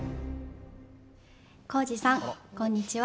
耕史さん、こんにちは。